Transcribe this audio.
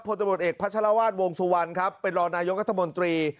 พลตมติว่าเอกพระชะละวาดวงสุวรรณครับเป็นรอนายกรรศ์รัฐบนตรี